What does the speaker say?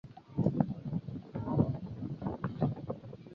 拉兰德人口变化图示